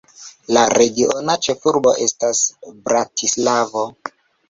La regiona ĉefurbo estas Bratislavo.